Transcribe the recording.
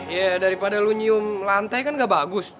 iya daripada lo nyium lantai kan gak bagus